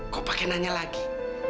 kok pakai nanya lagi